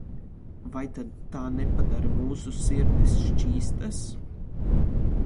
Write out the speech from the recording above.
Vai tad tā nepadara mūsu sirdis šķīstas?